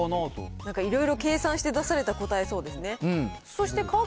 いろいろ経験して出された答えそうですね。